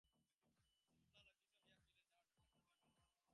কমলা লজ্জিত হইয়া কহিল, যাও, ঠাট্টা করিতে হইবে না।